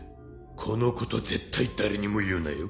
このこと絶対誰にも言うなよ？